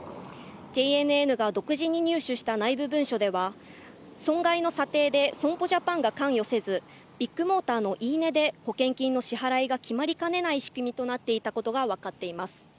ＪＮＮが独自に入手した内部文書では損害の査定で損保ジャパンが関与せず、ビッグモーターの言い値で保険金の支払いが決まりかねない仕組みとなっていたことが分かっています。